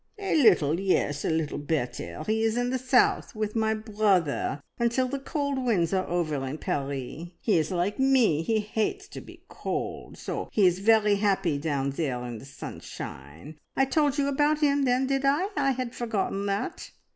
"A little yes, a little better. He is in the South with my brother until the cold winds are over in Paris. He is like me he hates to be cold, so he is very happy down there in the sunshine. I told you about him then, did I? I had forgotten that."